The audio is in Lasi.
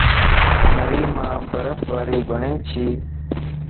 مريءَ مَ برف باري ٻھڻي چھهَ